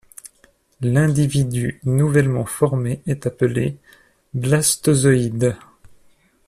L'individu nouvellement formé est appelé blastozoïde.